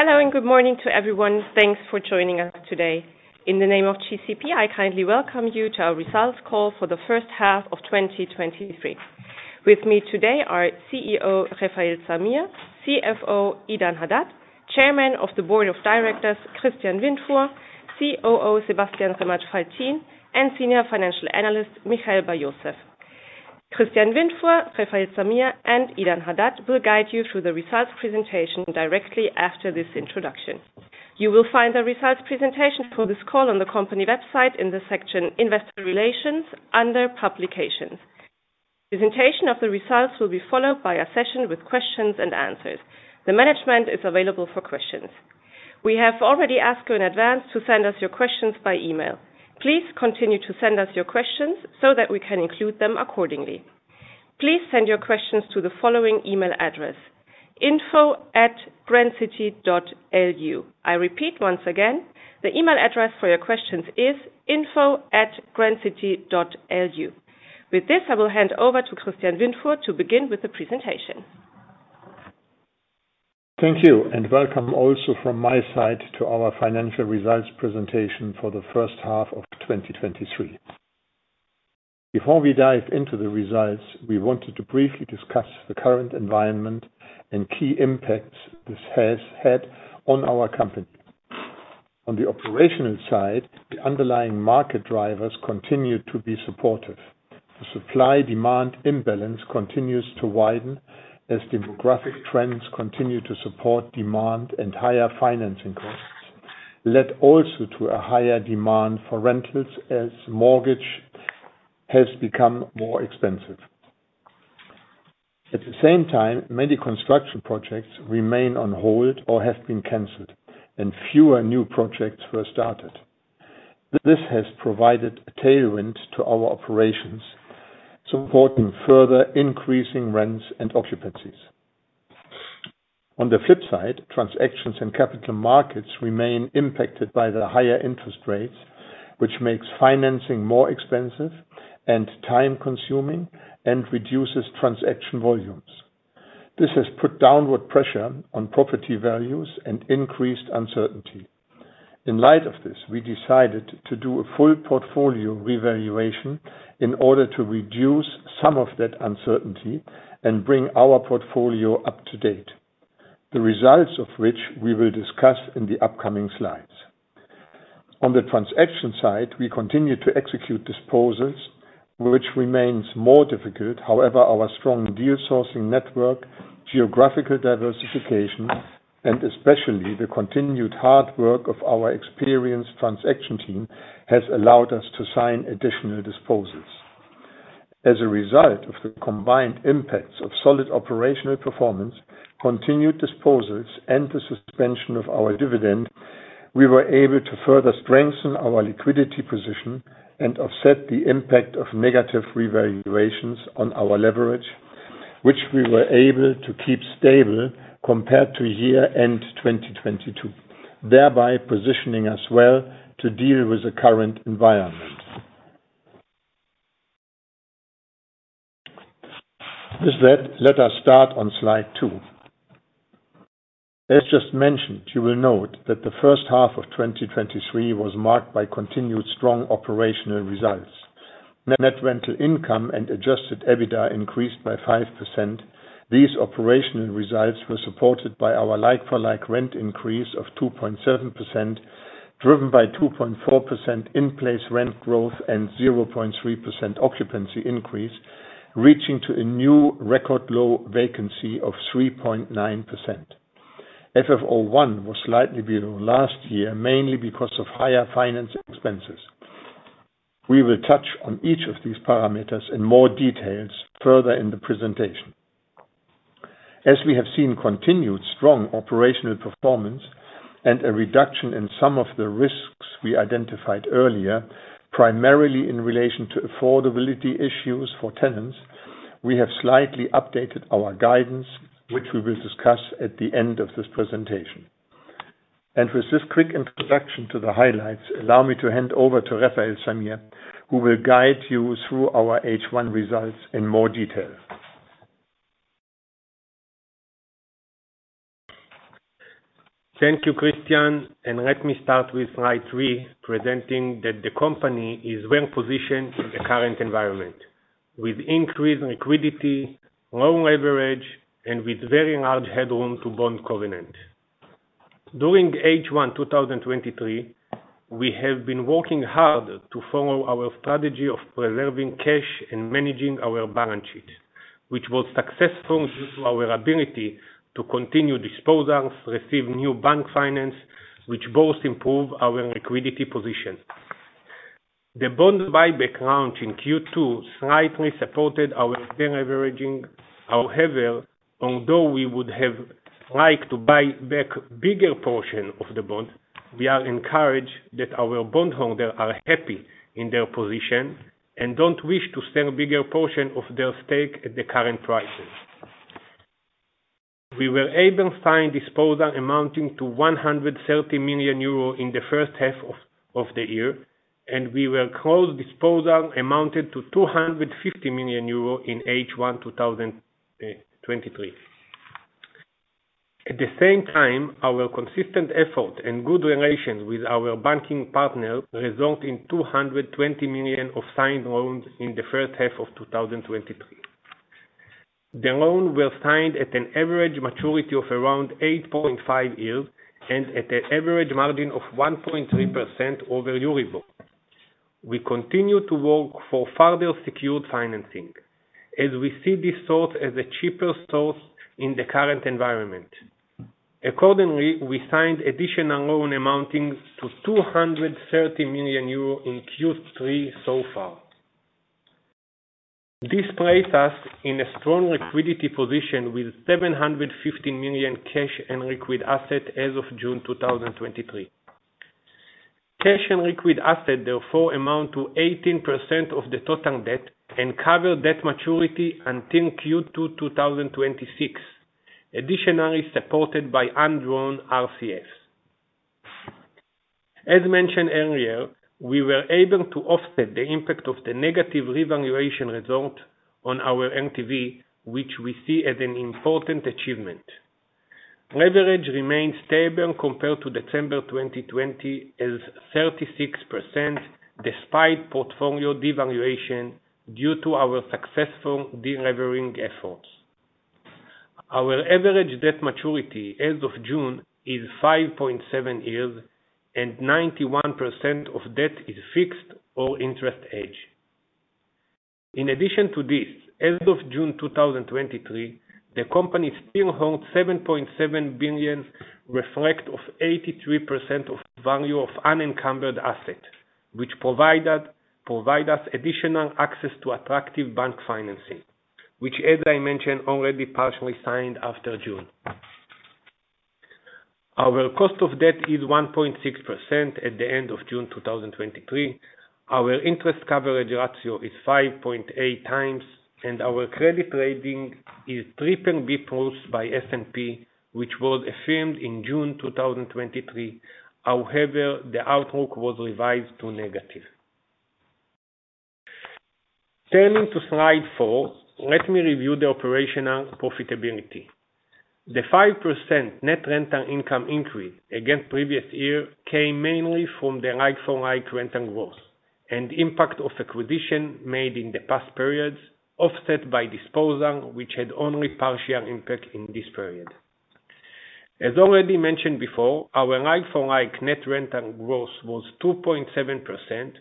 Hello, good morning to everyone. Thanks for joining us today. In the name of GCP, I kindly welcome you to our results call for the first half of 2023. With me today are CEO Refael Zamir, CFO Idan Hadad, Chairman of the Board of Directors Christian Windfuhr, COO Sebastian Zemach Faltin, and Senior Financial Analyst Michael Bar-Yosef. Christian Windfuhr, Refael Zamir, and Idan Hadad will guide you through the results presentation directly after this introduction. You will find the results presentation for this call on the company website in the section Investor Relations under Publications. Presentation of the results will be followed by a session with questions and answers. The management is available for questions. We have already asked you in advance to send us your questions by email. Please continue to send us your questions so that we can include them accordingly. Please send your questions to the following email address, info@grandcity.lu. I repeat once again, the email address for your questions is info@grandcity.lu. With this, I will hand over to Christian Windfuhr to begin with the presentation. Thank you, welcome also from my side to our financial results presentation for the first half of 2023. Before we dive into the results, we wanted to briefly discuss the current environment and key impacts this has had on our company. On the operational side, the underlying market drivers continue to be supportive. The supply-demand imbalance continues to widen as demographic trends continue to support demand, and higher financing costs led also to a higher demand for rentals as mortgage has become more expensive. At the same time, many construction projects remain on hold or have been canceled, and fewer new projects were started. This has provided a tailwind to our operations, supporting further increasing rents and occupancies. On the flip side, transactions and capital markets remain impacted by the higher interest rates, which makes financing more expensive and time-consuming and reduces transaction volumes. This has put downward pressure on property values and increased uncertainty. In light of this, we decided to do a full portfolio revaluation in order to reduce some of that uncertainty and bring our portfolio up to date, the results of which we will discuss in the upcoming slides. On the transaction side, we continue to execute disposals, which remains more difficult. However, our strong deal sourcing network, geographical diversification, and especially the continued hard work of our experienced transaction team, has allowed us to sign additional disposals. As a result of the combined impacts of solid operational performance, continued disposals, and the suspension of our dividend, we were able to further strengthen our liquidity position and offset the impact of negative revaluations on our leverage, which we were able to keep stable compared to year-end 2022, thereby positioning us well to deal with the current environment. With that, let us start on slide two. As just mentioned, you will note that the first half of 2023 was marked by continued strong operational results. Net rental income and adjusted EBITDA increased by 5%. These operational results were supported by our like-for-like rent increase of 2.7%, driven by 2.4% in place rent growth and 0.3% occupancy increase, reaching to a new record low vacancy of 3.9%. FFO1 was slightly below last year, mainly because of higher finance expenses. We will touch on each of these parameters in more details further in the presentation. As we have seen continued strong operational performance and a reduction in some of the risks we identified earlier, primarily in relation to affordability issues for tenants, we have slightly updated our guidance, which we will discuss at the end of this presentation. With this quick introduction to the highlights, allow me to hand over to Refael Zamir, who will guide you through our H1 results in more detail. Thank you, Christian, let me start with slide three, presenting that the company is well-positioned in the current environment. With increased liquidity, low leverage, and with very large headroom to bond covenant. During H1 2023, we have been working hard to follow our strategy of preserving cash and managing our balance sheet, which was successful due to our ability to continue disposals, receive new bank finance, which both improve our liquidity position. The bonds buyback launch in Q2 slightly supported our de-leveraging. However, although we would have liked to buy back bigger portion of the bond, we are encouraged that our bondholder are happy in their position and don't wish to sell a bigger portion of their stake at the current prices. We were able to sign disposal amounting to 130 million euro in the first half of the year. We will close disposal amounted to 250 million euro in H1 2023. At the same time, our consistent effort and good relations with our banking partner result in 220 million of signed loans in the first half of 2023. The loan was signed at an average maturity of around 8.5 years and at an average margin of 1.3% over EURIBOR. We continue to work for further secured financing, as we see this source as a cheaper source in the current environment. Accordingly, we signed additional loan amounting to 230 million euro in Q3 so far. This place us in a strong liquidity position with 750 million cash and liquid asset as of June 2023. Cash and liquid asset therefore amount to 18% of the total debt and cover debt maturity until Q2 2026. Additionally, supported by undrawn RCFs. As mentioned earlier, we were able to offset the impact of the negative revaluation result on our LTV, which we see as an important achievement. Leverage remains stable compared to December 2020, at 36% despite portfolio devaluation due to our successful de-levering efforts. Our average debt maturity as of June is 5.7 years and 91% of debt is fixed or interest hedge. In addition to this, as of June 2023, the company still holds 7.7 billion reflect of 83% of value of unencumbered asset, which provide us additional access to attractive bank financing, which as I mentioned, already partially signed after June. Our cost of debt is 1.6% at the end of June 2023. Our interest coverage ratio is 5.8 times, and our credit rating is BBB+ by S&P, which was affirmed in June 2023. However, the outlook was revised to negative. Turning to slide four, let me review the operational profitability. The 5% net rental income increase against previous year came mainly from the like-for-like rental growth and impact of acquisition made in the past periods, offset by disposal, which had only partial impact in this period. As already mentioned before, our like-for-like net rental growth was 2.7%,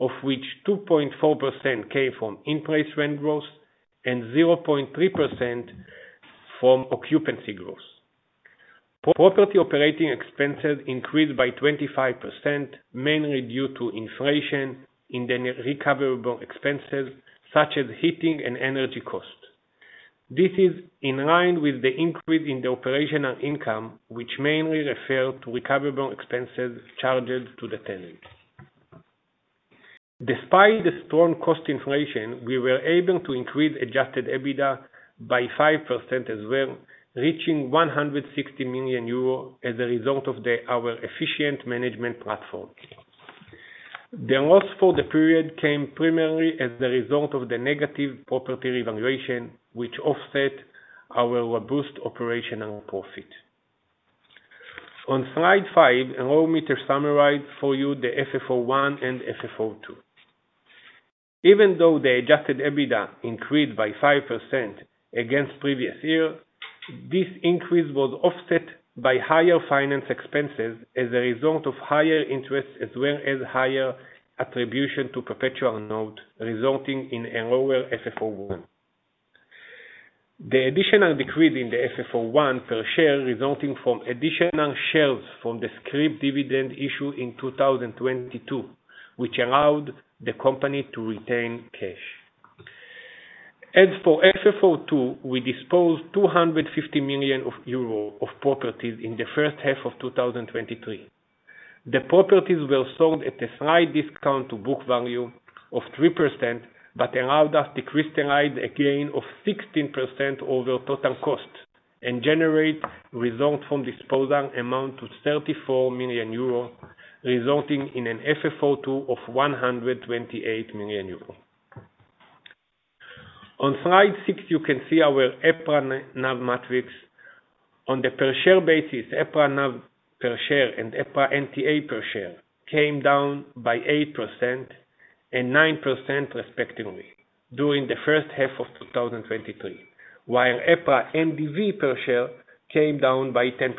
of which 2.4% came from in-place rent growth and 0.3% from occupancy growth. Property operating expenses increased by 25%, mainly due to inflation in the net recoverable expenses, such as heating and energy cost. This is in line with the increase in the operational income, which mainly refer to recoverable expenses charged to the tenant. Despite the strong cost inflation, we were able to increase adjusted EBITDA by 5% as well, reaching 160 million euro as a result of our efficient management platform. The loss for the period came primarily as a result of the negative property revaluation, which offset our robust operational profit. On slide five, allow me to summarize for you the FFO 1 and FFO 2. Even though the adjusted EBITDA increased by 5% against previous year, this increase was offset by higher finance expenses as a result of higher interest, as well as higher attribution to perpetual note, resulting in a lower FFO 1. The additional decrease in the FFO 1 per share resulting from additional shares from the scrip dividend issued in 2022, which allowed the company to retain cash. As for FFO 2, we disposed 250 million euro of properties in the first half of 2023. The properties were sold at a slight discount to book value of 3%, but allowed us to crystallize a gain of 16% over total cost, and generate results from disposal amount to 34 million euro, resulting in an FFO 2 of 128 million euro. On slide six, you can see our EPRA NAV metrics. On the per share basis, EPRA NAV per share and EPRA NTA per share came down by 8% and 9% respectively during the first half of 2023. While EPRA NDV per share came down by 10%.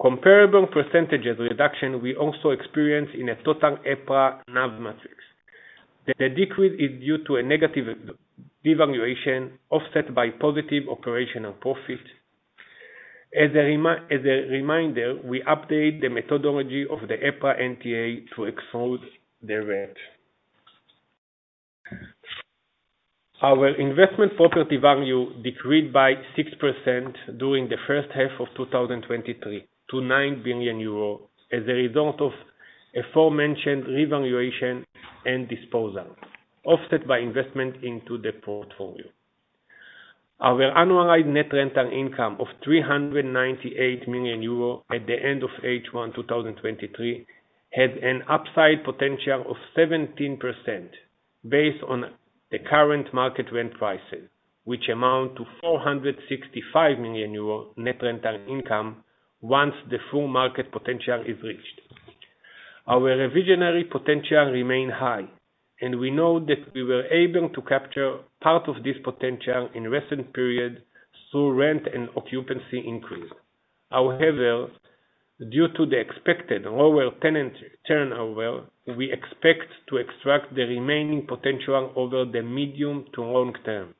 Comparable percentages reduction we also experience in a total EPRA NAV metrics. The decrease is due to a negative devaluation offset by positive operational profit. As a reminder, we update the methodology of the EPRA NTA to exclude the rent. Our investment property value decreased by 6% during the first half of 2023 to 9 billion euro, as a result of aforementioned revaluation and disposal, offset by investment into the portfolio. Our annualized net rental income of 398 million euro at the end of H1 2023 had an upside potential of 17% based on the current market rent prices, which amount to 465 million euro net rental income once the full market potential is reached. Our revisionary potential remains high, and we know that we were able to capture part of this potential in recent periods through rent and occupancy increase. However, due to the expected lower tenant turnover, we expect to extract the remaining potential over the medium-to-long term.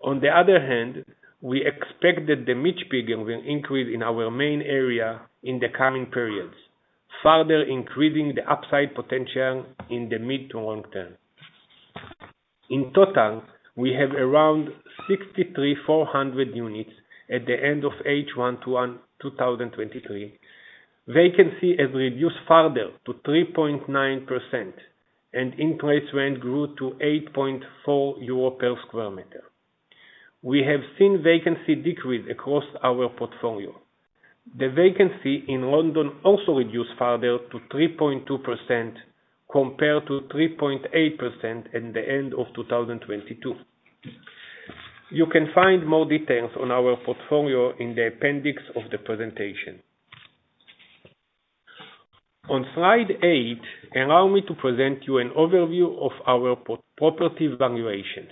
On the other hand, we expect that the mix figure will increase in our main area in the coming periods, further increasing the upside potential in the mid-to-long term. In total, we have around 63,400 units at the end of H1 2023. Vacancy has reduced further to 3.9%, and in-place rent grew to 8.4 euro per square meter. We have seen vacancy decrease across our portfolio. The vacancy in London also reduced further to 3.2% compared to 3.8% at the end of 2022. You can find more details on our portfolio in the appendix of the presentation. On slide eight, allow me to present to you an overview of our property valuations.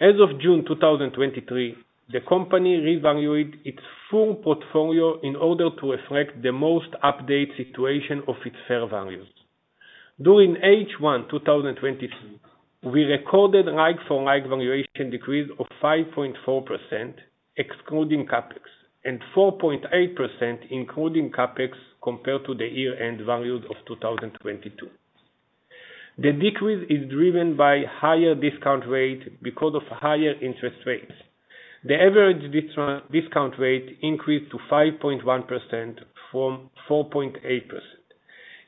As of June 2023, the company revalued its full portfolio in order to reflect the most updated situation of its fair values. During H1 2023, we recorded like-for-like valuation decrease of 5.4% excluding CapEx, and 4.8% including CapEx compared to the year-end values of 2022. The decrease is driven by higher discount rate because of higher interest rates. The average discount rate increased to 5.1% from 4.8%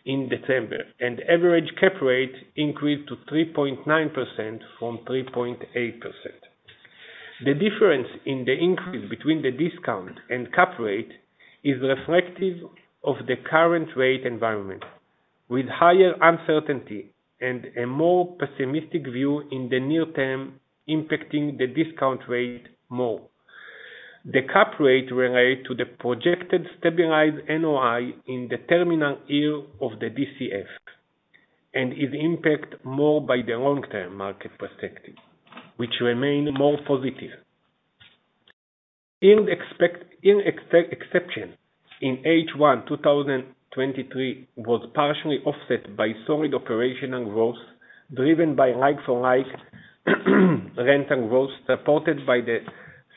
in December 2022, and average cap rate increased to 3.9% from 3.8%. The difference in the increase between the discount and cap rate is reflective of the current rate environment, with higher uncertainty and a more pessimistic view in the near term impacting the discount rate more. The cap rate relates to the projected stabilized NOI in the terminal year of the DCF and is impacted more by the long-term market perspective, which remain more positive. Yield compression in H1 2023 was partially offset by solid operational growth, driven by like-for-like rental growth, supported by the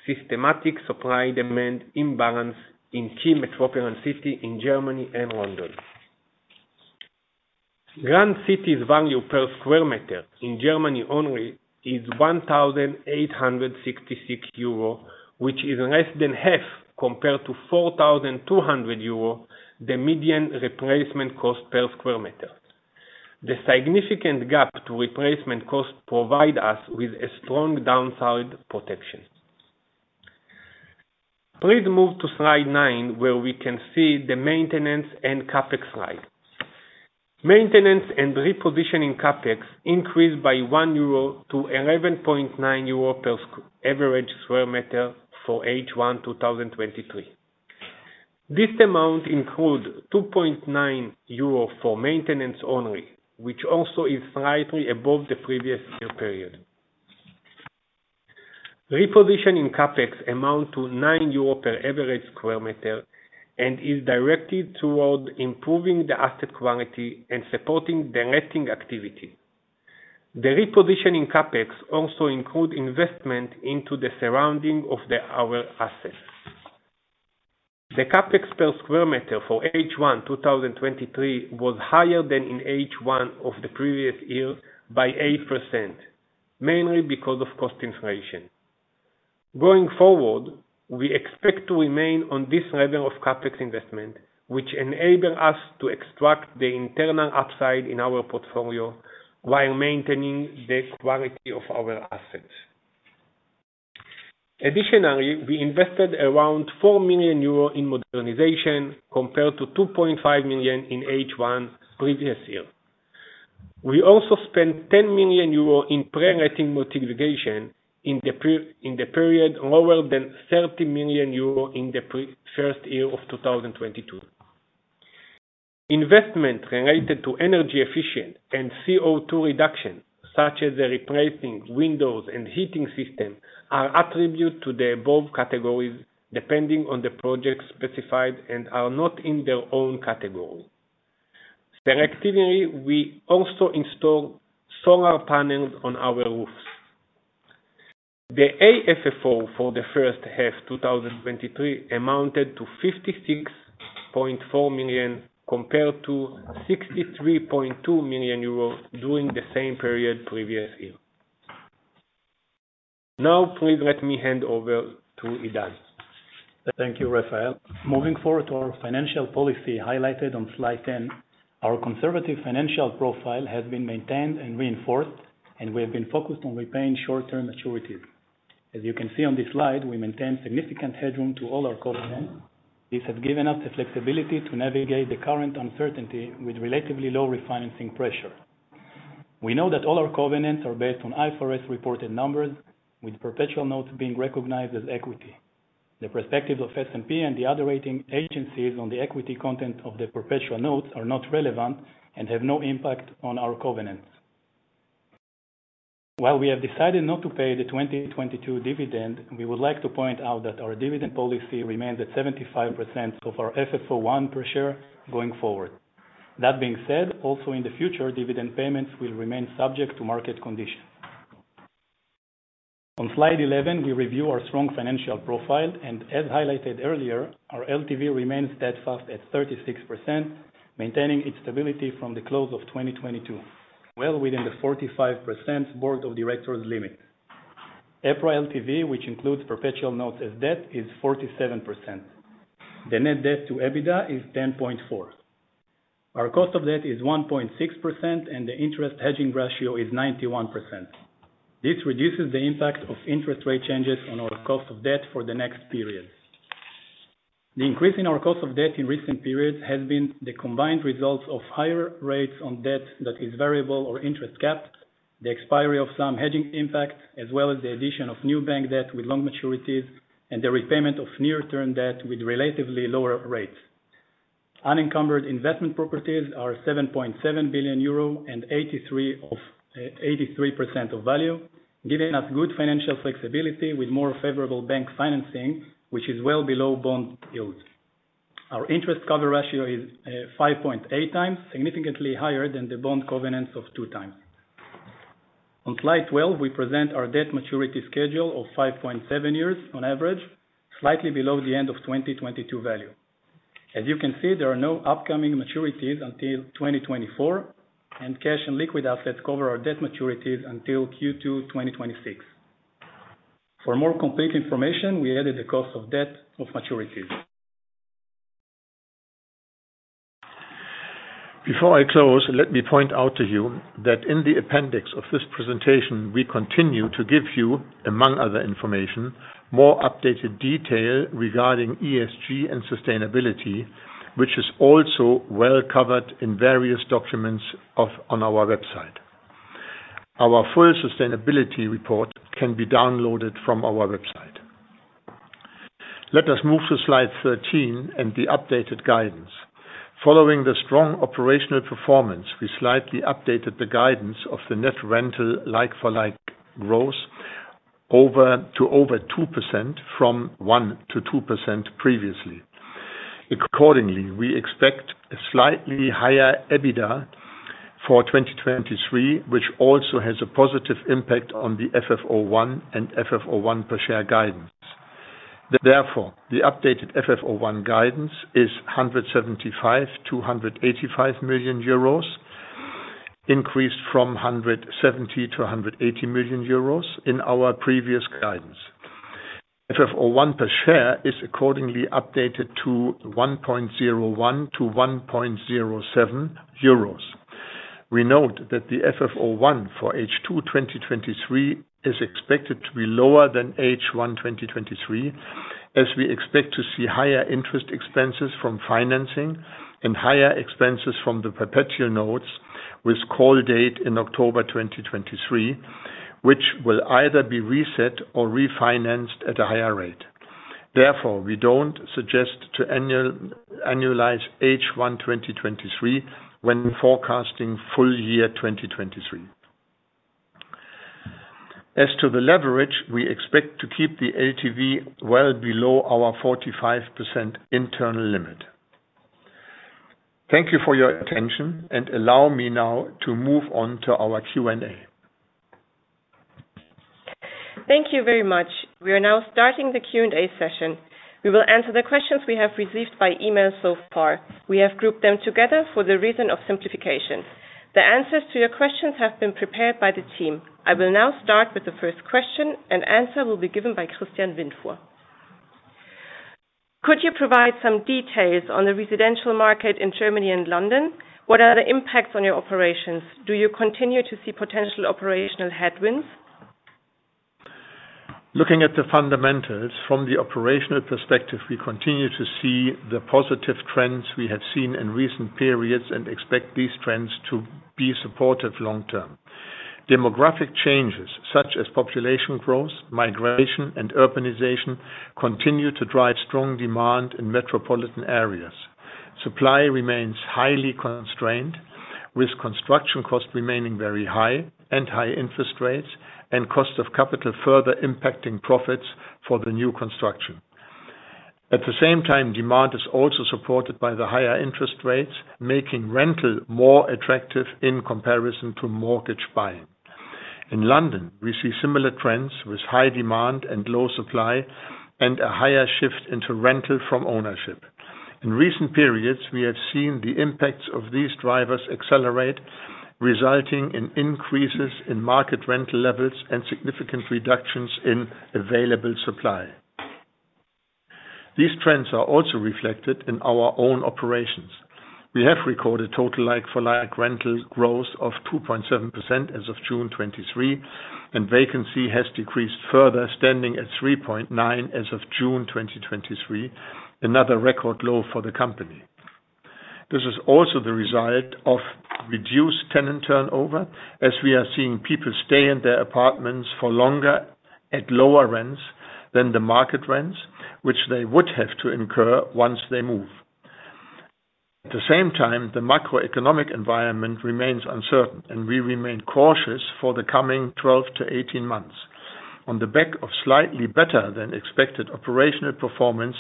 systematic supply-demand imbalance in key metropolitan cities in Germany and London. Grand City's value per square meter in Germany only is 1,866 euro, which is less than half compared to 4,200 euro, the median replacement cost per square meter. The significant gap to replacement cost provides us with a strong downside protection. Please move to slide nine, where we can see the maintenance and CapEx slide. Maintenance and repositioning CapEx increased by 1 euro to 11.9 euro average square meter for H1 2023. This amount includes 2.9 euro for maintenance only, which also is slightly above the previous year's period. Repositioning CapEx amounts to 9 euro per average square meter and is directed toward improving the asset quality and supporting the letting activity. The repositioning CapEx also include investment into the surrounding of our assets. The CapEx per square meter for H1 2023 was higher than in H1 of the previous year by 8%, mainly because of cost inflation. Going forward, we expect to remain on this level of CapEx investment, which enable us to extract the internal upside in our portfolio while maintaining the quality of our assets. Additionally, we invested around 4 million euro in modernization compared to 2.5 million in H1 previous year. We also spent 10 million euro in pre-letting mitigation in the period lower than 30 million euro in the first year of 2022. Investment related to energy efficient and CO2 reduction, such as replacing windows and heating system, are attributed to the above categories depending on the project specified and are not in their own category. Selectively, we also install solar panels on our roofs. The AFFO for the first half 2023 amounted to 56.4 million compared to 63.2 million euros during the same period previous year. Now please let me hand over to Idan. Thank you, Refael. Moving forward to our financial policy highlighted on slide 10. Our conservative financial profile has been maintained and reinforced, and we have been focused on repaying short-term maturities. As you can see on this slide, we maintain significant headroom to all our covenants. This has given us the flexibility to navigate the current uncertainty with relatively low refinancing pressure. We know that all our covenants are based on IFRS-reported numbers, with perpetual notes being recognized as equity. The perspective of S&P and the other rating agencies on the equity content of the perpetual notes are not relevant and have no impact on our covenants. While we have decided not to pay the 2022 dividend, we would like to point out that our dividend policy remains at 75% of our FFO 1 per share going forward. That being said, also in the future, dividend payments will remain subject to market conditions. On slide 11, we review our strong financial profile, and as highlighted earlier, our LTV remains steadfast at 36%, maintaining its stability from the close of 2022, well within the 45% Board of Directors limit. EPRA LTV, which includes perpetual notes as debt, is 47%. The Net Debt to EBITDA is 10.4. Our cost of debt is 1.6%, and the interest hedging ratio is 91%. This reduces the impact of interest rate changes on our cost of debt for the next periods. The increase in our cost of debt in recent periods has been the combined results of higher rates on debt that is variable or interest capped, the expiry of some hedging impact, as well as the addition of new bank debt with long maturities and the repayment of near-term debt with relatively lower rates. Unencumbered investment properties are 7.7 billion euro and 83% of value, giving us good financial flexibility with more favorable bank financing, which is well below bond yields. Our interest cover ratio is 5.8 times, significantly higher than the bond covenants of two times. On slide 12, we present our debt maturity schedule of 5.7 years on average, slightly below the end of 2022 value. As you can see, there are no upcoming maturities until 2024, and cash and liquid assets cover our debt maturities until Q2 2026. For more complete information, we added the cost of debt of maturities. Before I close, let me point out to you that in the appendix of this presentation, we continue to give you, among other information, more updated detail regarding ESG and sustainability, which is also well covered in various documents on our website. Our full sustainability report can be downloaded from our website. Let us move to slide 13 and the updated guidance. Following the strong operational performance, we slightly updated the guidance of the net rental like-for-like growth to over 2% from 1%-2% previously. Accordingly, we expect a slightly higher EBITDA for 2023, which also has a positive impact on the FFO 1 and FFO 1 per share guidance. Therefore, the updated FFO 1 guidance is 175 million-185 million euros, increased from 170 million-180 million euros in our previous guidance. FFO 1 per share is accordingly updated to 1.01-1.07 euros. We note that the FFO 1 for H2 2023 is expected to be lower than H1 2023, as we expect to see higher interest expenses from financing and higher expenses from the perpetual notes with call date in October 2023, which will either be reset or refinanced at a higher rate. We don't suggest to annualize H1 2023 when forecasting full year 2023. As to the leverage, we expect to keep the LTV well below our 45% internal limit. Thank you for your attention and allow me now to move on to our Q&A. Thank you very much. We are now starting the Q&A session. We will answer the questions we have received by email so far. We have grouped them together for the reason of simplification. The answers to your questions have been prepared by the team. I will now start with the first question, and answer will be given by Christian Windfuhr. Could you provide some details on the residential market in Germany and London? What are the impacts on your operations? Do you continue to see potential operational headwinds? Looking at the fundamentals from the operational perspective, we continue to see the positive trends we have seen in recent periods and expect these trends to be supportive long term. Demographic changes such as population growth, migration, and urbanization continue to drive strong demand in metropolitan areas. Supply remains highly constrained, with construction costs remaining very high, and high interest rates and cost of capital further impacting profits for the new construction. At the same time, demand is also supported by the higher interest rates, making rental more attractive in comparison to mortgage buying. In London, we see similar trends with high demand and low supply and a higher shift into rental from ownership. In recent periods, we have seen the impacts of these drivers accelerate, resulting in increases in market rental levels and significant reductions in available supply. These trends are also reflected in our own operations. We have recorded total like-for-like rental growth of 2.7% as of June 2023, and vacancy has decreased further, standing at 3.9% as of June 2023, another record low for the company. This is also the result of reduced tenant turnover, as we are seeing people stay in their apartments for longer at lower rents than the market rents, which they would have to incur once they move. At the same time, the macroeconomic environment remains uncertain, and we remain cautious for the coming 12-18 months. On the back of slightly better than expected operational performance,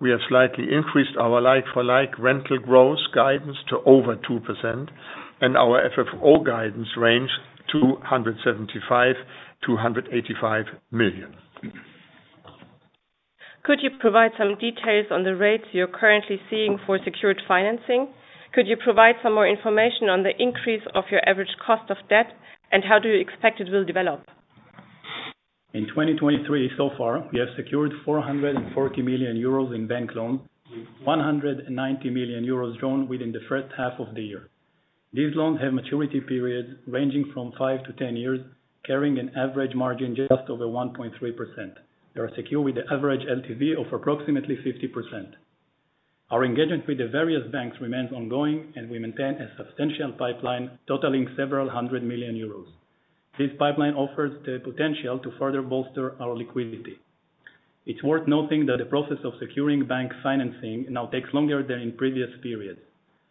we have slightly increased our like-for-like rental growth guidance to over 2%, and our FFO guidance range to 175 million-185 million. Could you provide some details on the rates you're currently seeing for secured financing? Could you provide some more information on the increase of your average cost of debt, and how do you expect it will develop? In 2023 so far, we have secured 440 million euros in bank loans, 190 million euros drawn within the first half of the year. These loans have maturity periods ranging from five to 10 years, carrying an average margin just over 1.3%. They are secured with the average LTV of approximately 50%. Our engagement with the various banks remains ongoing, and we maintain a substantial pipeline totaling several hundred million euros. This pipeline offers the potential to further bolster our liquidity. It's worth noting that the process of securing bank financing now takes longer than in previous periods.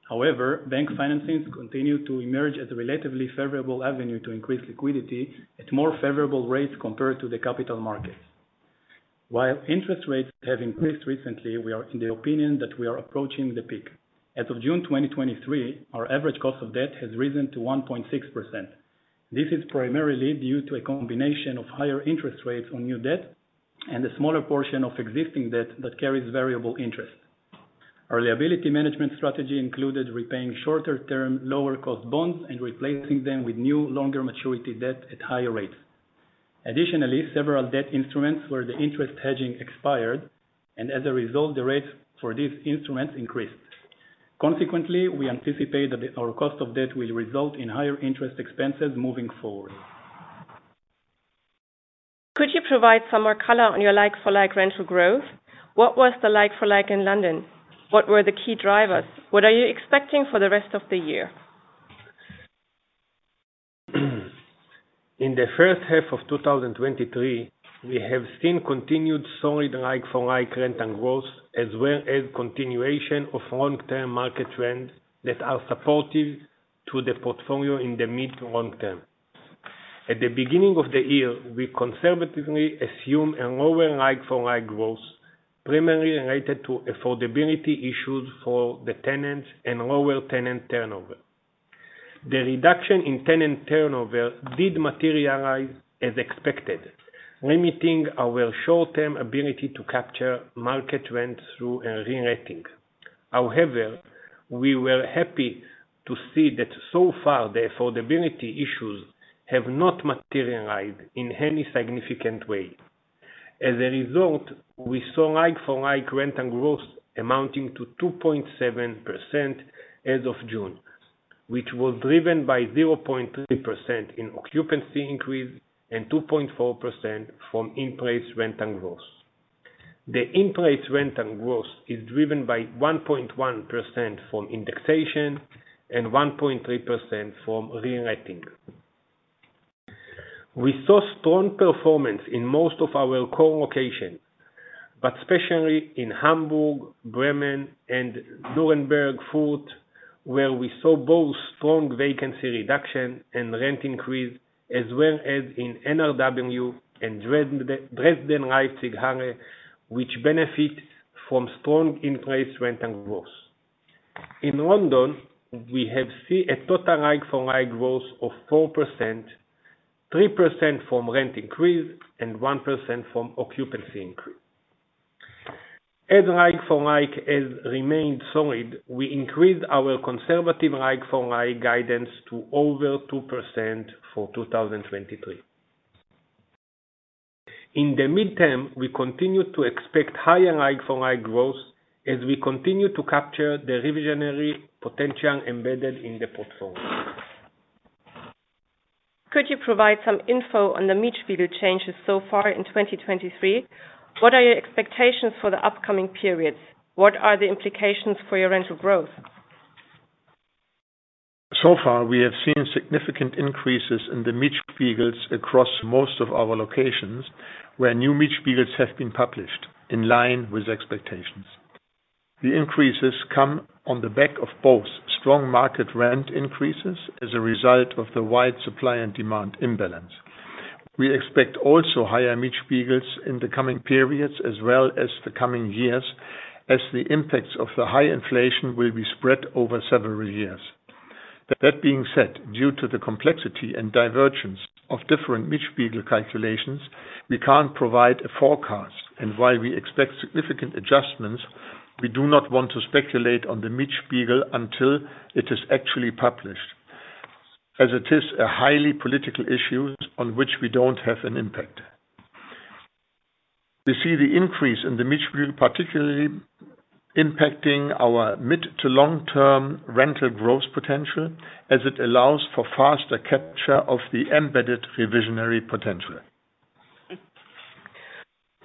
However, bank financings continue to emerge as a relatively favorable avenue to increase liquidity at more favorable rates compared to the capital markets. While interest rates have increased recently, we are of the opinion that we are approaching the peak. As of June 2023, our average cost of debt has risen to 1.6%. This is primarily due to a combination of higher interest rates on new debt and a smaller portion of existing debt that carries variable interest. Our liability management strategy included repaying shorter term, lower cost bonds and replacing them with new, longer maturity debt at higher rates. Several debt instruments where the interest hedging expired, and as a result, the rates for these instruments increased. We anticipate that our cost of debt will result in higher interest expenses moving forward. Could you provide some more color on your like-for-like rental growth? What was the like-for-like in London? What were the key drivers? What are you expecting for the rest of the year? In the first half of 2023, we have seen continued solid like-for-like rental growth, as well as continuation of long-term market trends that are supportive to the portfolio in the mid to long term. At the beginning of the year, we conservatively assume a lower like-for-like growth, primarily related to affordability issues for the tenants and lower tenant turnover. The reduction in tenant turnover did materialize as expected, limiting our short-term ability to capture market rent through a re-renting. We were happy to see that so far, the affordability issues have not materialized in any significant way. We saw like-for-like rental growth amounting to 2.7% as of June, which was driven by 0.3% in occupancy increase and 2.4% from in-place rental growth. The in-place rental growth is driven by 1.1% from indexation and 1.3% from re-renting. We saw strong performance in most of our core locations, but especially in Hamburg, Bremen, and Nuremberg, [inaudible] where we saw both strong vacancy reduction and rent increase, as well as in NRW and Dresden Leipzig, which benefit from strong in-place rental growth. In London, we have seen a total like-for-like growth of 4%, 3% from rent increase and 1% from occupancy increase. Like-for-like has remained solid, we increased our conservative like-for-like guidance to over 2% for 2023. In the midterm, we continue to expect higher like-for-like growth as we continue to capture the revisionary potential embedded in the portfolio. Could you provide some info on the Mietspiegel changes so far in 2023? What are your expectations for the upcoming periods? What are the implications for your rental growth? Far, we have seen significant increases in the Mietspiegels across most of our locations, where new Mietspiegels have been published, in line with expectations. The increases come on the back of both strong market rent increases as a result of the wide supply and demand imbalance. We expect also higher Mietspiegels in the coming periods as well as the coming years, as the impacts of the high inflation will be spread over several years. That being said, due to the complexity and divergence of different Mietspiegel calculations, we can't provide a forecast. While we expect significant adjustments, we do not want to speculate on the Mietspiegel until it is actually published, as it is a highly political issue on which we don't have an impact. We see the increase in the Mietspiegel particularly impacting our mid to long-term rental growth potential, as it allows for faster capture of the embedded revisionary potential.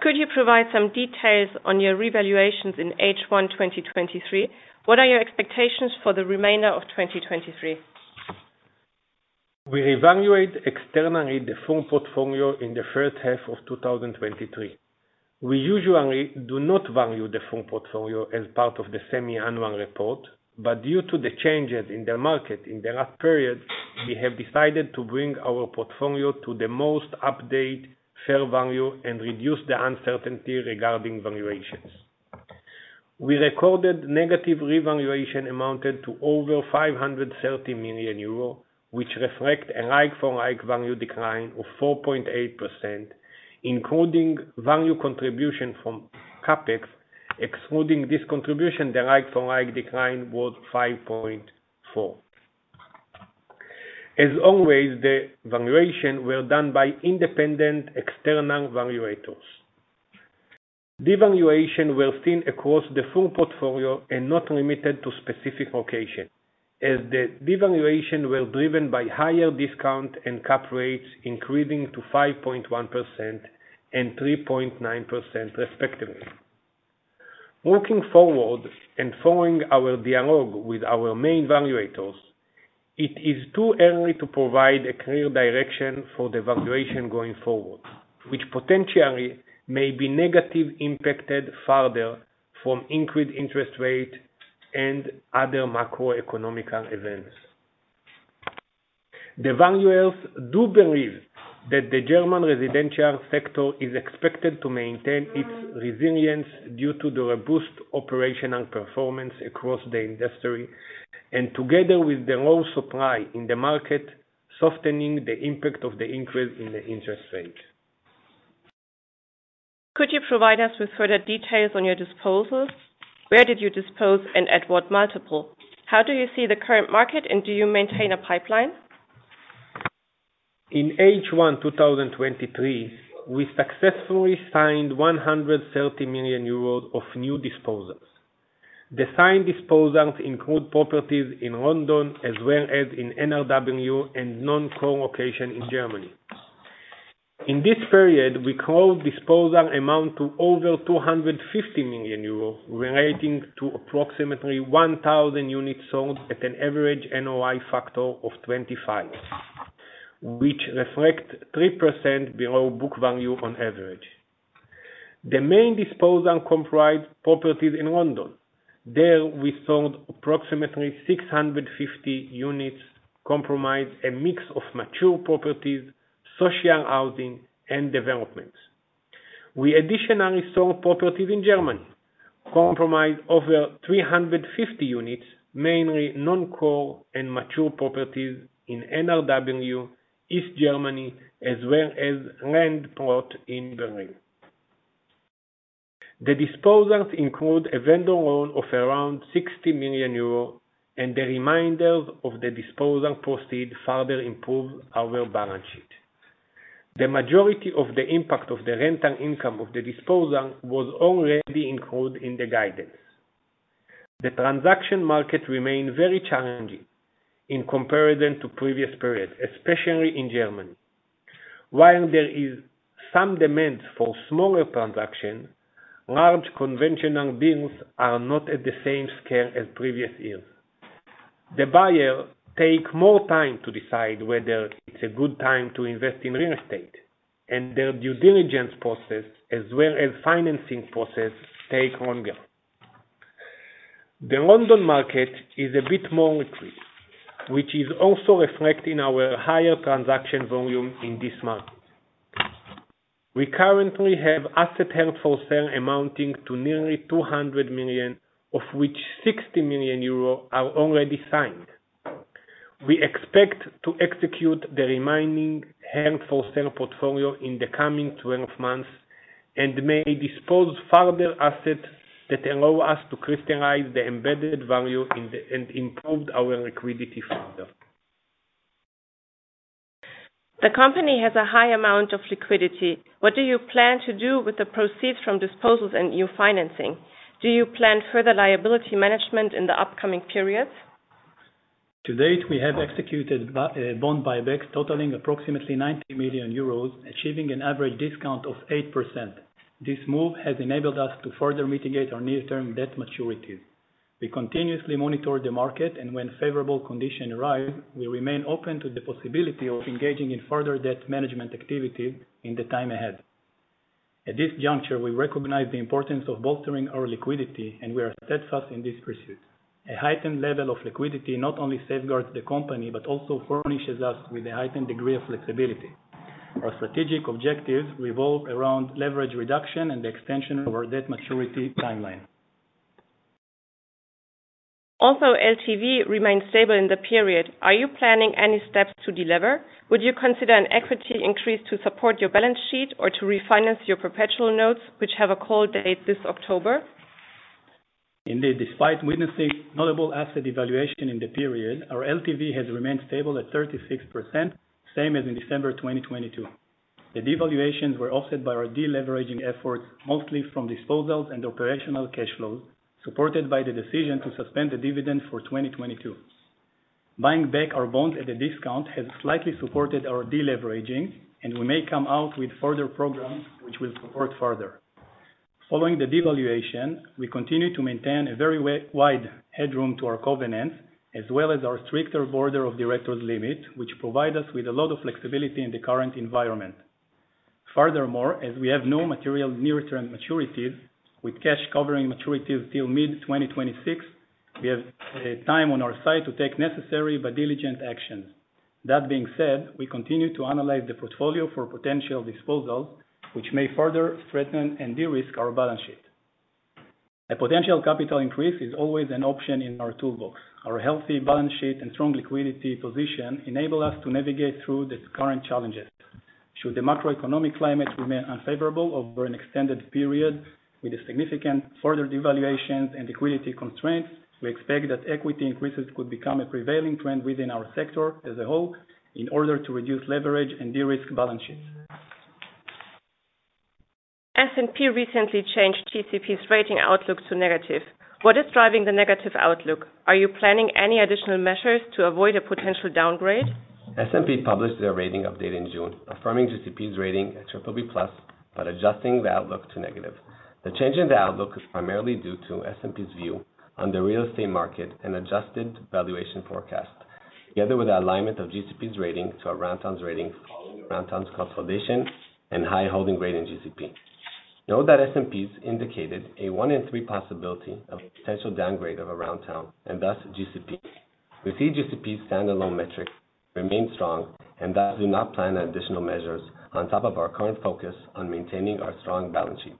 Could you provide some details on your revaluations in H1 2023? What are your expectations for the remainder of 2023? We revalue externally the full portfolio in the first half of 2023. We usually do not value the full portfolio as part of the semi-annual report, but due to the changes in the market in the last period, we have decided to bring our portfolio to the most up-to-date fair value and reduce the uncertainty regarding valuations. We recorded negative revaluation amounting to over 530 million euro, which reflects a like-for-like value decline of 4.8%, including value contribution from CapEx. Excluding this contribution, the like-for-like decline was 5.4%. As always, the valuations were done by independent external valuators. Devaluations were seen across the full portfolio and not limited to specific locations, as the devaluations were driven by higher discount and cap rates increasing to 5.1% and 3.9% respectively. Looking forward and following our dialogue with our main valuators, it is too early to provide a clear direction for the valuation going forward, which potentially may be negatively impacted further from increased interest rates and other macroeconomic events. The valuers do believe that the German residential sector is expected to maintain its resilience due to the robust operational performance across the industry and together with the low supply in the market, softening the impact of the increase in the interest rates. Could you provide us with further details on your disposals? Where did you dispose and at what multiple? How do you see the current market, do you maintain a pipeline? In H1 2023, we successfully signed 130 million euros of new disposals. The signed disposals include properties in London as well as in NRW and non-core locations in Germany. In this period, our recorded disposals amounted to over 250 million euros relating to approximately 1,000 units sold at an average NOI factor of 25, which reflects 3% below book value on average. The main disposals comprise properties in London. There, we sold approximately 650 units, comprising a mix of mature properties, social housing, and developments. We additionally sold properties in Germany, comprising over 350 units, mainly non-core and mature properties in NRW, East Germany, as well as land plots in Berlin. The disposals include a vendor loan of around 60 million euro, the remainder of the disposal proceeds further improve our balance sheet. The majority of the impact of the rental income of the disposals was already included in the guidance. The transaction market remained very challenging in comparison to previous periods, especially in Germany. While there is some demand for smaller transactions, large conventional deals are not at the same scale as previous years. The buyer take more time to decide whether it's a good time to invest in real estate, and their due diligence process, as well as financing process, take longer. The London market is a bit more mature, which is also reflecting our higher transaction volume in this market. We currently have asset held for sale amounting to nearly 200 million, of which 60 million euro are already signed. We expect to execute the remaining held for sale portfolio in the coming 12 months and may dispose further assets that allow us to crystallize the embedded value and improve our liquidity further. The company has a high amount of liquidity. What do you plan to do with the proceeds from disposals and new financing? Do you plan further liability management in the upcoming periods? To date, we have executed bond buybacks totaling approximately 90 million euros, achieving an average discount of 8%. This move has enabled us to further mitigate our near-term debt maturities. We continuously monitor the market, and when favorable condition arrive, we remain open to the possibility of engaging in further debt management activity in the time ahead. At this juncture, we recognize the importance of bolstering our liquidity, and we are steadfast in this pursuit. A heightened level of liquidity not only safeguards the company but also furnishes us with a heightened degree of flexibility. Our strategic objectives revolve around leverage reduction and the extension of our debt maturity timeline. Also, LTV remains stable in the period. Are you planning any steps to delever? Would you consider an equity increase to support your balance sheet or to refinance your perpetual notes, which have a call date this October? Indeed, despite witnessing notable asset devaluation in the period, our LTV has remained stable at 36%, same as in December 2022. The devaluations were offset by our deleveraging efforts, mostly from disposals and operational cash flows, supported by the decision to suspend the dividend for 2022. Buying back our bonds at a discount has slightly supported our deleveraging, and we may come out with further programs which will support further. Following the devaluation, we continue to maintain a very wide headroom to our covenants, as well as our stricter board of directors limit, which provide us with a lot of flexibility in the current environment. Furthermore, as we have no material near-term maturities, with cash covering maturities till mid-2026, we have time on our side to take necessary but diligent actions. That being said, we continue to analyze the portfolio for potential disposals, which may further strengthen and de-risk our balance sheet. A potential capital increase is always an option in our toolbox. Our healthy balance sheet and strong liquidity position enable us to navigate through the current challenges. Should the macroeconomic climate remain unfavorable over an extended period, with significant further devaluations and liquidity constraints, we expect that equity increases could become a prevailing trend within our sector as a whole in order to reduce leverage and de-risk balance sheets. S&P recently changed GCP's rating outlook to negative. What is driving the negative outlook? Are you planning any additional measures to avoid a potential downgrade? S&P published their rating update in June, affirming GCP's rating at BBB+, but adjusting the outlook to negative. The change in the outlook was primarily due to S&P's view on the real estate market and adjusted valuation forecast. Together with the alignment of GCP's rating to Aroundtown's rating following Aroundtown's consolidation and high holding grade in GCP. Note that S&P's indicated a one in three possibility of potential downgrade of Aroundtown and thus GCP. We see GCP's standalone metric remains strong and thus do not plan additional measures on top of our current focus on maintaining our strong balance sheet.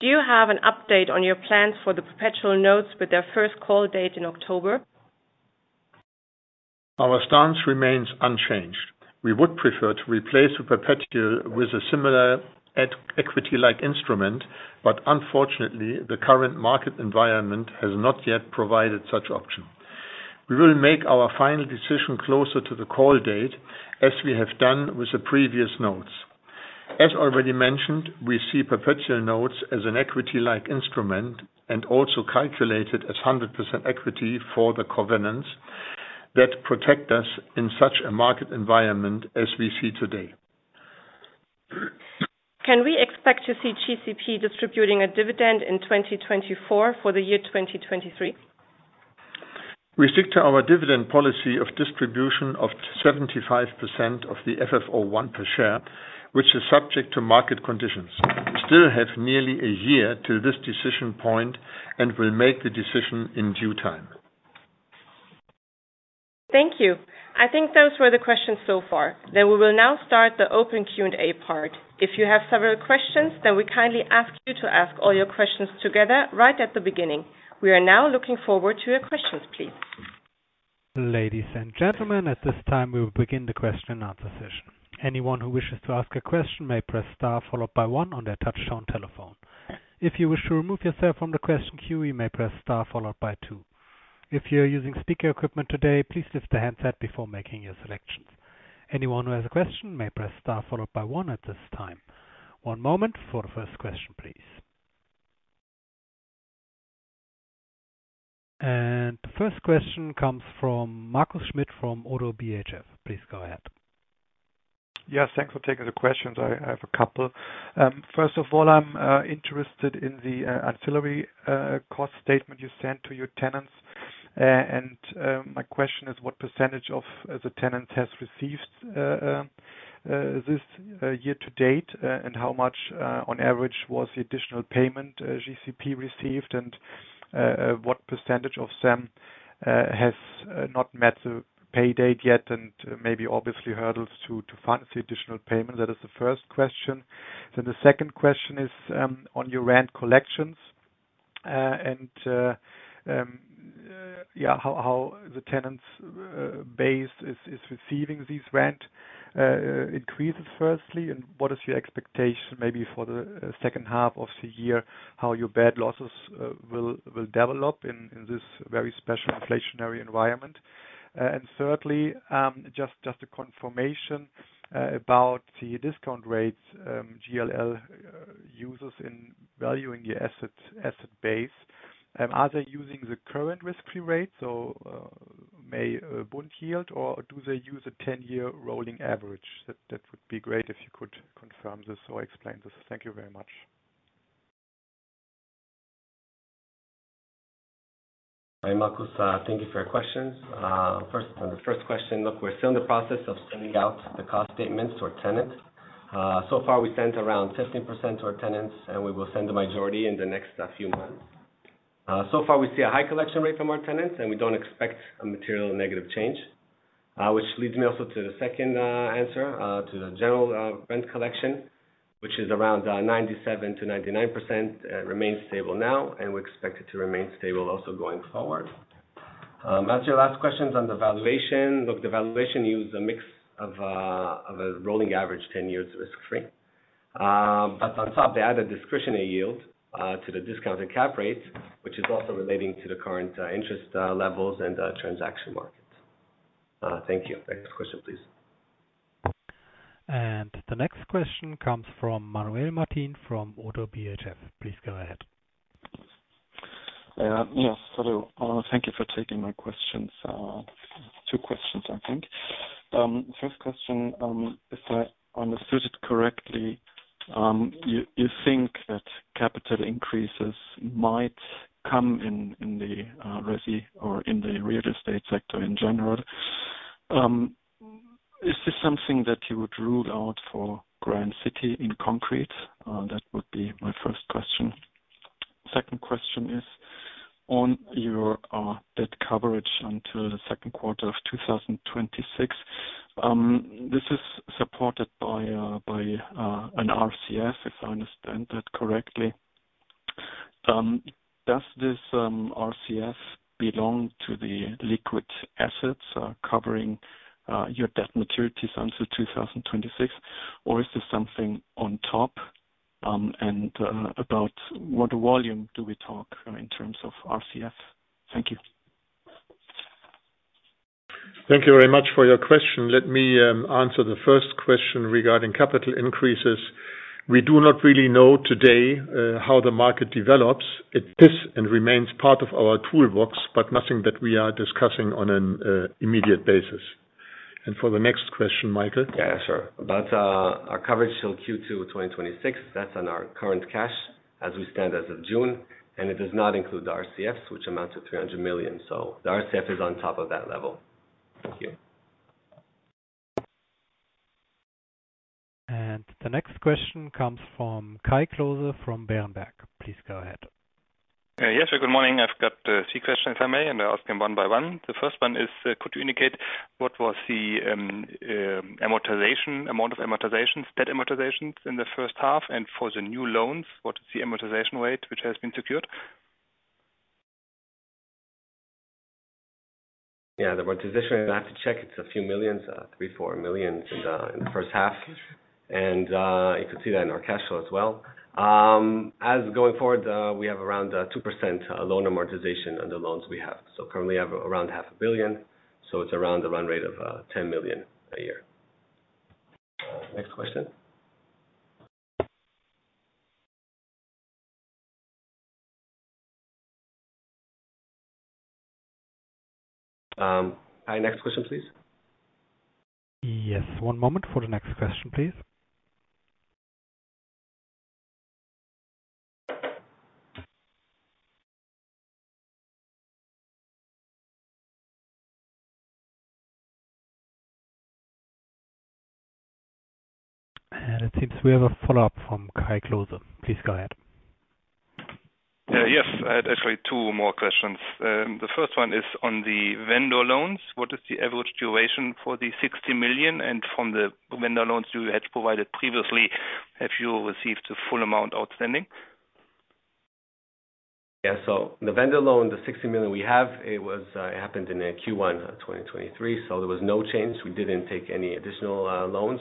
Do you have an update on your plans for the perpetual notes with their first call date in October? Our stance remains unchanged. We would prefer to replace a perpetual with a similar equity-like instrument, unfortunately, the current market environment has not yet provided such option. We will make our final decision closer to the call date, as we have done with the previous notes. As already mentioned, we see perpetual notes as an equity-like instrument and also calculated as 100% equity for the covenants that protect us in such a market environment as we see today. Can we expect to see GCP distributing a dividend in 2024 for the year 2023? We stick to our dividend policy of distribution of 75% of the FFO 1 per share, which is subject to market conditions. We still have nearly a year till this decision point and will make the decision in due time. Thank you. I think those were the questions so far. We will now start the open Q&A part. If you have several questions, we kindly ask you to ask all your questions together right at the beginning. We are now looking forward to your questions, please. Ladies and gentlemen, at this time, we will begin the question-and-answer session. Anyone who wishes to ask a question may press star followed by one on their touchtone telephone. If you wish to remove yourself from the question queue, you may press star followed by two. If you're using speaker equipment today, please lift the handset before making your selections. Anyone who has a question may press star followed by one at this time. One moment for the first question, please. The first question comes from Markus Schmitt from ODDO BHF. Please go ahead. Yes, thanks for taking the questions. I have a couple. First of all, I'm interested in the ancillary cost statement you sent to your tenants. My question is, what percentage of the tenants has received this year to date? How much on average was the additional payment GCP received? What percentage of them has not met the pay date yet? Maybe obviously hurdles to fund the additional payment. That is the first question. The second question is on your rent collections. How the tenants base is receiving these rent increases, firstly. What is your expectation maybe for the second half of the year, how your bad losses will develop in this very special inflationary environment? Thirdly, just a confirmation about the discount rates JLL uses in valuing your asset base. Are they using the current risk-free rate, so may bond yield, or do they use a 10-year rolling average? That would be great if you could confirm this or explain this. Thank you very much. Hi, Markus. Thank you for your questions. On the first question, look, we're still in the process of sending out the cost statements to our tenants. So far, we sent around 15% to our tenants, and we will send the majority in the next few months. So far, we see a high collection rate from our tenants, and we don't expect a material negative change. Which leads me also to the second answer, to the general rent collection, which is around 97%-99%, remains stable now, and we expect it to remain stable also going forward. As to your last questions on the valuation. Look, the valuation used a mix of a rolling average 10 years risk-free. On top they add a discretionary yield to the discounted cap rate, which is also relating to the current interest levels and transaction market. Thank you. Next question, please. The next question comes from Manuel Martin from ODDO BHF. Please go ahead. Yes. Hello. Thank you for taking my questions. Two questions, I think. First question, if I understood it correctly, you think that capital increases might come in the resi or in the real estate sector in general. Is this something that you would rule out for Grand City in concrete? That would be my first question. Second question is on your debt coverage until the second quarter of 2026. This is supported by an RCF, if I understand that correctly. Does this RCF belong to the liquid assets covering your debt maturities until 2026, or is this something on top? About what volume do we talk in terms of RCF? Thank you. Thank you very much for your question. Let me answer the first question regarding capital increases. We do not really know today how the market develops. It is and remains part of our toolbox, but nothing that we are discussing on an immediate basis. For the next question, Michael. Yeah, sure. About our coverage till Q2 2026, that's on our current cash as we stand as of June, it does not include the RCFs, which amount to 300 million. The RCF is on top of that level. Thank you. The next question comes from Kai Klose from Berenberg. Please go ahead. Yes, good morning. I've got three questions, if I may, and I'll ask them one by one. The first one is, could you indicate what was the amount of debt amortizations in the first half? For the new loans, what is the amortization rate which has been secured? Yeah. The amortization, I'd have to check. It's a few millions, 3 million-4 million in the first half. You could see that in our cash flow as well. As going forward, we have around 2% loan amortization on the loans we have. Currently we have around 0.5 billion, so it's around a run rate of 10 million a year. Next question. Kai, next question, please. Yes, one moment for the next question, please. It seems we have a follow-up from Kai Klose. Please go ahead. Yes. I had actually two more questions. The first one is on the vendor loans. What is the average duration for the 60 million? From the vendor loans you had provided previously, have you received the full amount outstanding? The vendor loan, the 60 million we have, it happened in Q1 2023, so there was no change. We didn't take any additional loans,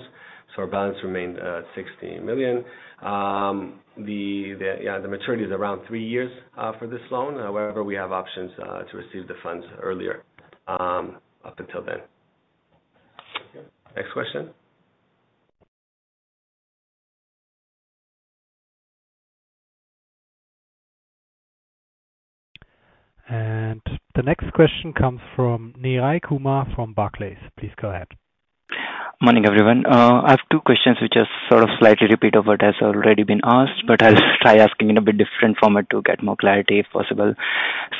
so our balance remained at 60 million. The maturity is around three years for this loan. However, we have options to receive the funds earlier, up until then. Okay, next question. The next question comes from Neeraj Kumar from Barclays. Please go ahead. Morning, everyone. I have two questions, which are sort of slightly repeat of what has already been asked, but I'll try asking in a bit different form to get more clarity, if possible.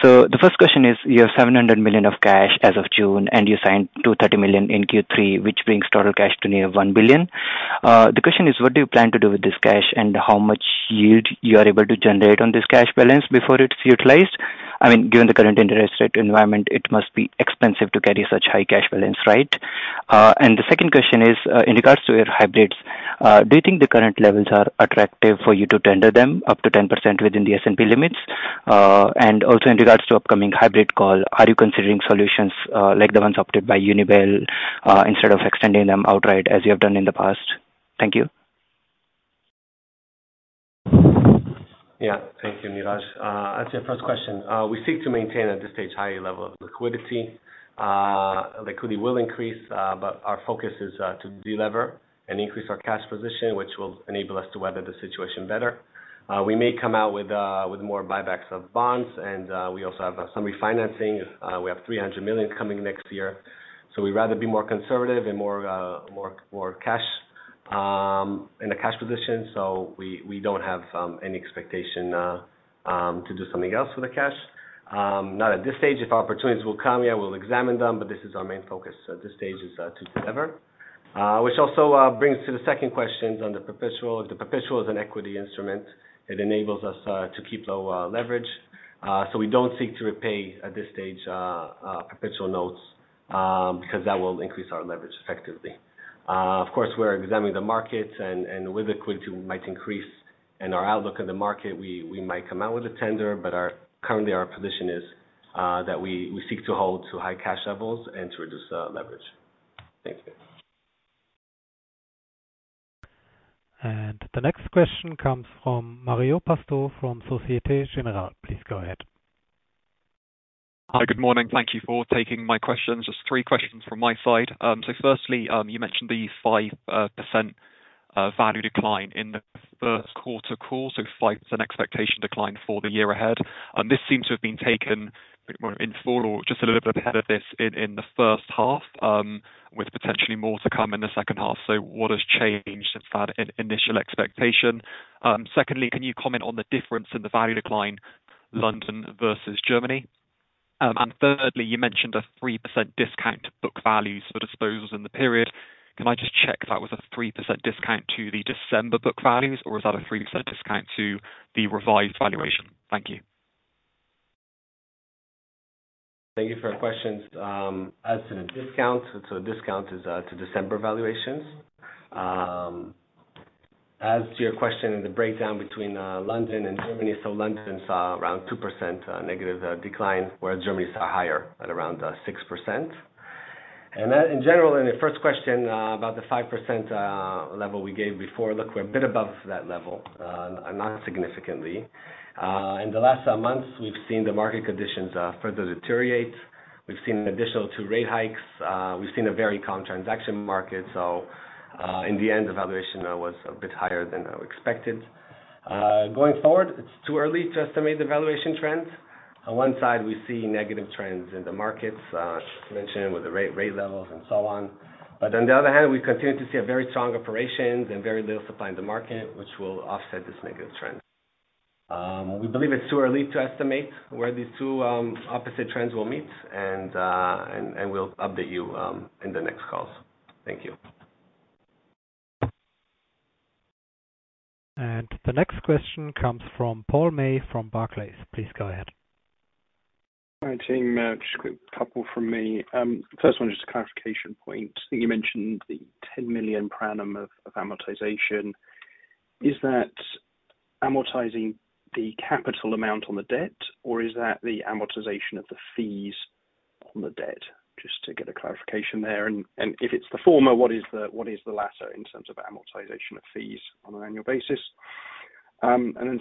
The first question is, you have 700 million of cash as of June, and you signed 230 million in Q3, which brings total cash to near 1 billion. The question is, what do you plan to do with this cash, and how much yield you are able to generate on this cash balance before it's utilized? Given the current interest rate environment, it must be expensive to carry such high cash balance, right? The second question is, in regards to your hybrids, do you think the current levels are attractive for you to tender them up to 10% within the S&P limits? Also in regards to upcoming hybrid call, are you considering solutions like the ones opted by Unibail instead of extending them outright as you have done in the past? Thank you. Thank you, Neeraj. As to your first question, we seek to maintain at this stage higher level of liquidity. Liquidity will increase, but our focus is to delever and increase our cash position, which will enable us to weather the situation better. We may come out with more buybacks of bonds, and we also have some refinancing. We have 300 million coming next year. We'd rather be more conservative and more in a cash position. We don't have any expectation to do something else with the cash. Not at this stage. If opportunities will come, we'll examine them, but this is our main focus at this stage, is to delever. Which also brings to the second question on the perpetual. The perpetual is an equity instrument. It enables us to keep low leverage. We don't seek to repay, at this stage, perpetual notes, because that will increase our leverage effectively. Of course, we're examining the markets, and with equity, we might increase in our outlook in the market. We might come out with a tender, but currently, our position is that we seek to hold to high cash levels and to reduce leverage. Thank you. The next question comes from Marios Pastou from Societe Generale. Please go ahead. Good morning. Thank you for taking my questions. Just three questions from my side. Firstly, you mentioned the 5% value decline in the first quarter call. 5% expectation decline for the year ahead. This seems to have been taken in full or just a little bit ahead of this in the first half, with potentially more to come in the second half. What has changed since that initial expectation? Secondly, can you comment on the difference in the value decline, London versus Germany? Thirdly, you mentioned a 3% discount to book values for disposals in the period. Can I just check if that was a 3% discount to the December book values, or was that a 3% discount to the revised valuation? Thank you. Thank you for your questions. As to the discount is to December valuations. As to your question in the breakdown between London and Germany, London saw around 2% negative decline, whereas Germany saw higher at around 6%. In general, in the first question about the 5% level we gave before, look, we're a bit above that level, not significantly. In the last months, we've seen the market conditions further deteriorate. We've seen an additional two rate hikes. We've seen a very calm transaction market. In the end, the valuation was a bit higher than expected. Going forward, it's too early to estimate the valuation trends. On one side, we see negative trends in the markets, as mentioned with the rate levels and so on. On the other hand, we continue to see a very strong operations and very little supply in the market, which will offset this negative trend. We believe it's too early to estimate where these two opposite trends will meet, and we'll update you in the next calls. Thank you. The next question comes from Paul May from Barclays. Please go ahead. Hi, team. Just a quick couple from me. First one, just a clarification point. I think you mentioned the 10 million per annum of amortization. Is that amortizing the capital amount on the debt, or is that the amortization of the fees on the debt? Just to get a clarification there. If it's the former, what is the latter in terms of amortization of fees on an annual basis?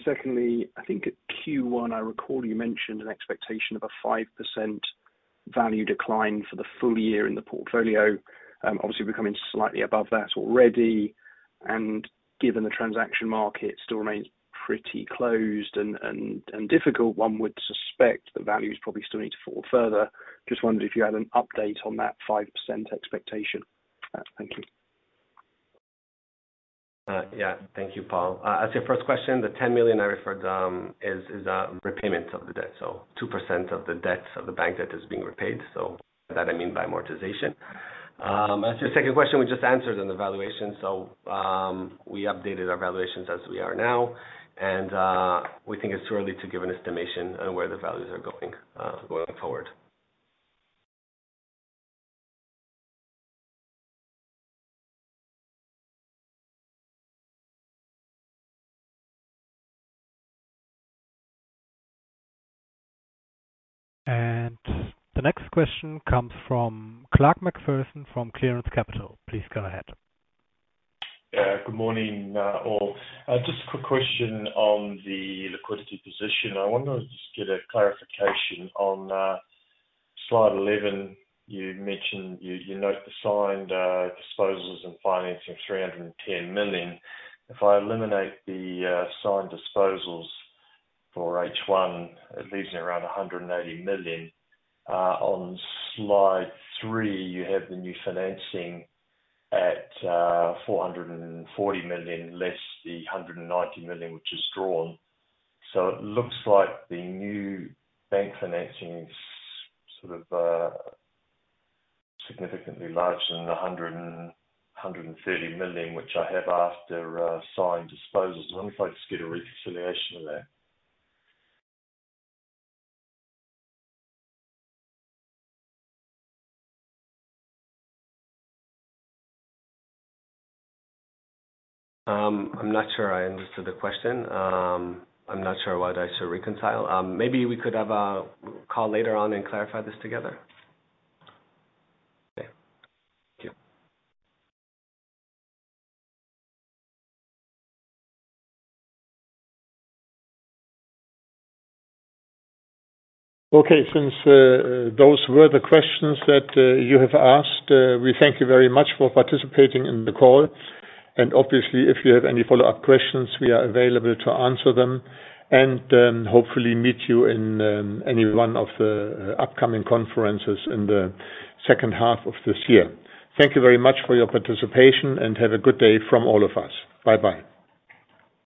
Secondly, I think at Q1, I recall you mentioned an expectation of a 5% value decline for the full year in the portfolio. Obviously, we're coming slightly above that already. Given the transaction market still remains pretty closed and difficult, one would suspect the values probably still need to fall further. Just wondered if you had an update on that 5% expectation. Thank you. Yeah. Thank you, Paul. As your first question, the 10 million I referred is a repayment of the debt. 2% of the bank debt is being repaid. That, I mean by amortization. As your second question, we just answered on the valuation. We updated our valuations as we are now, and we think it's too early to give an estimation on where the values are going forward. The next question comes from Clark McPherson from Clearance Capital. Please go ahead. Good morning, all. Just a quick question on the liquidity position. I want to just get a clarification. On slide 11, you note the signed disposals and financing of 310 million. If I eliminate the signed disposals for H1, it leaves me around 180 million. On slide three, you have the new financing at 440 million, less the 190 million, which is drawn. It looks like the new bank financing is sort of significantly larger than the 130 million, which I have after signed disposals. I wonder if I could just get a reconciliation of that. I'm not sure I understood the question. I'm not sure what I should reconcile. Maybe we could have a call later on and clarify this together. Okay. Thank you. Okay. Since those were the questions that you have asked, we thank you very much for participating in the call. Obviously, if you have any follow-up questions, we are available to answer them. Hopefully meet you in any one of the upcoming conferences in the second half of this year. Thank you very much for your participation, and have a good day from all of us. Bye-bye